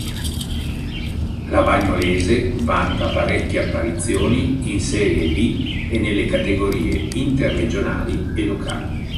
La Bagnolese vanta parecchie apparizioni in Serie D e nelle categorie interregionali e locali.